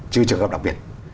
trừ trường hợp đặc biệt